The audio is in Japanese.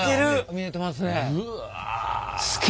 見えてますね。